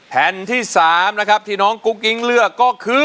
แผ่นที่๓นะครับที่น้องกุ๊กกิ๊งเลือกก็คือ